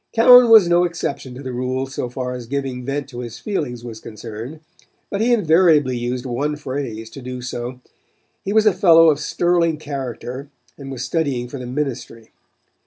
Cowan was no exception to the rule so far as giving vent to his feelings was concerned, but he invariably used one phrase to do so. He was a fellow of sterling character and was studying for the ministry.